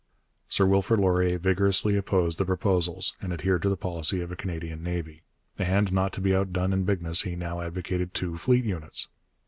Sir Wilfrid Laurier vigorously opposed the proposals and adhered to the policy of a Canadian navy. And, not to be outdone in bigness, he now advocated two fleet units.